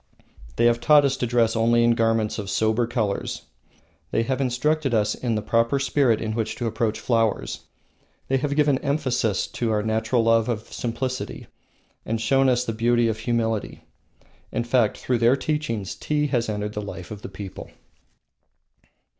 They have taught us to dress only in garments of sober colors. They have instructed us in the proper spirit in which to approach flowers. They have given emphasis to our natural love of simplicity, and shown us the beauty of humility. In fact, through their teachings tea has entered the life of the people.